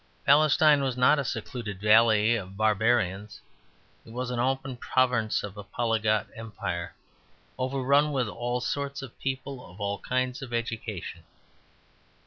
Palestine was not a secluded valley of barbarians; it was an open province of a polyglot empire, overrun with all sorts of people of all kinds of education.